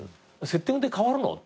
セッティングでかわるの？